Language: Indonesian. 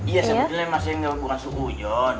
iya sebetulnya masih bukan suku hujon